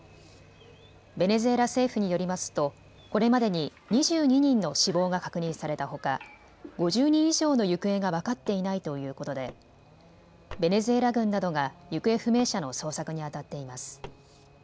ベネズエラ政府によりますとこれまでに２２人の死亡が確認されたほか５０人以上の行方が分かっていないということで、ベネズエラ軍などが行方不明者の捜索にあたっています。